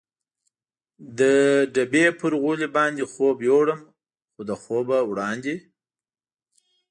د ډبې پر غولي باندې خوب یووړم، خو له خوبه وړاندې.